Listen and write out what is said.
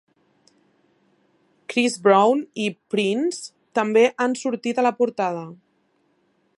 Chris Brown i Prince també han sortit a la portada.